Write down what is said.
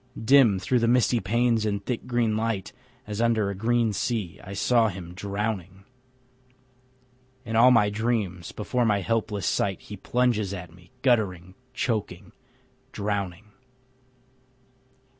Dim through the misty panes and thick green light, As under a green sea, I saw him drowning. In all my dreams before my helpless sight He plunges at me, guttering, choking, drowning.